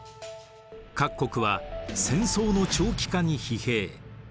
各国は戦争の長期化に疲弊。